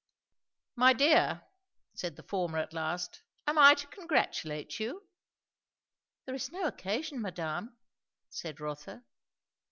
"My dear," said the former at last, "am I to congratulate you?" "There is no occasion, madame," said Rotha.